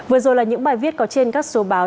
vừa rồi là những bài viết có trên các số báo